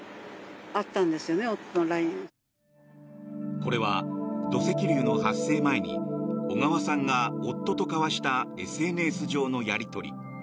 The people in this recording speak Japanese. これは土石流の発生前に小川さんが夫と交わしたＳＮＳ上のやり取り。